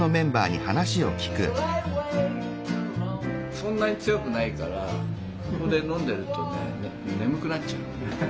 そんなに強くないからここで飲んでるとね眠くなっちゃうの。